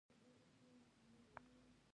_دا ټول ستا له لاسه.